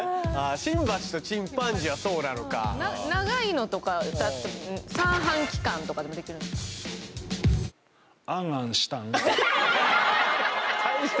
新橋とチンパンジーはそうなのか長いのとか三半規管とかでもできるんですか？